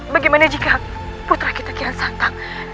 bagaimana jika putra kita kian santa